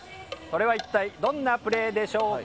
それは一体どんなプレーでしょうか？